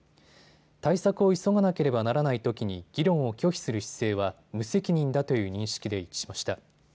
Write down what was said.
対策を急がなければならないときに議論を拒否する姿勢は、無責任だという認識で一致しました。